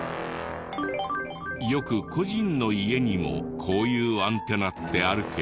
よく個人の家にもこういうアンテナってあるけど。